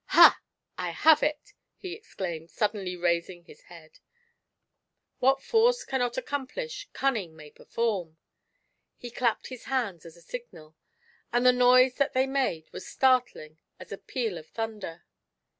V Ha ! I have it !" he exclaimed, suddenly raising his head ;" what force cannot accomplish, cimning may perform." He clapped his hands as a signal, and the noise that they made was startling as a peal of thunder.